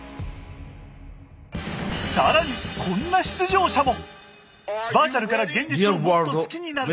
更にこんな出場者も！